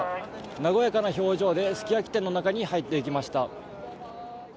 和やかな表情ですき焼き店の中に入っていきました。